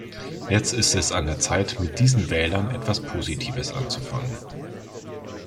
Jetzt ist es an der Zeit, mit diesen Wählern etwas Positives anzufangen.